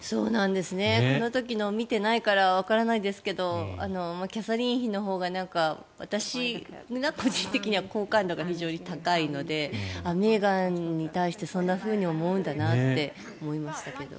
その時のを見てないからあれですがキャサリン妃のほうが私が個人的には好感度が非常に高いのでメーガンに対してそんなふうに思うんだなって思いましたけど。